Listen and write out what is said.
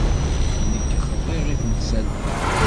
Nekk xḍiɣ i temsalt-a.